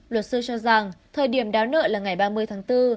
luật sư cho rằng thời điểm đáo nợ là ngày ba mươi tháng bốn